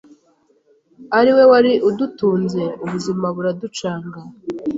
ari we wari udutunze ubuzima buraducanga